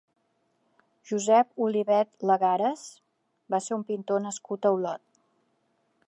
Josep Olivet Legares va ser un pintor nascut a Olot.